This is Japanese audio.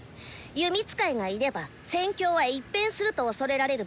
「弓使いがいれば戦況は一変する」と恐れられる武器なんだ。